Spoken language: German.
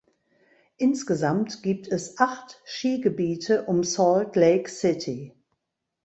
Insgesamt gibt es acht Skigebiete um Salt Lake City.